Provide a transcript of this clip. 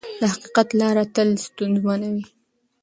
د حقیقت لاره تل ستونزمنه وي.